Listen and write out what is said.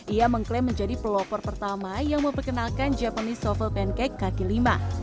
ia mengklaim menjadi pelopor pertama yang memperkenalkan japanese softle pancake kaki lima